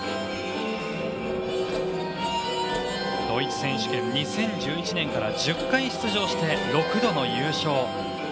ドイツ選手権、２０１１年から１０回出場して６度の優勝。